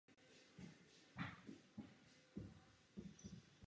Vedou se tedy soudní spory o to kdo má pravdu.